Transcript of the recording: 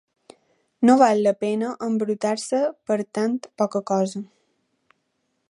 No val la pena embrutar-se per tan poca cosa.